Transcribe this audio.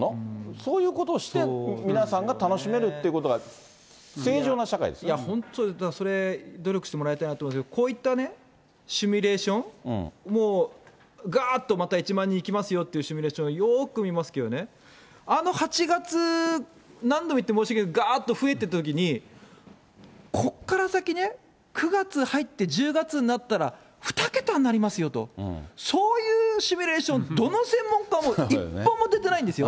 そういうことをして、皆さんが楽しめるということが、本当、だからそれ、努力してもらいたいなと思うんですけど、こういったシミュレーション、もうがーっと１万人いきますよっていうシミュレーション、よく見ますけどね、あの８月、何度も言って申し訳ない、がーっと増えていったときに、こっから先ね、９月入って１０月になったら、２桁になりますよと、そういうシミュレーション、どの専門家も一歩も出てないんですよ。